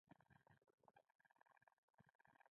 کار کول سپورټ او عبادت دی